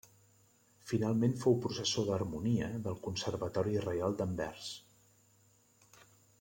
Finalment fou professor d'harmonia del Conservatori reial d'Anvers.